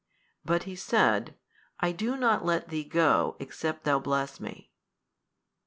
But he said, I do not let thee go, except thou bless me.